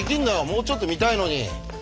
もうちょっと見たいのに。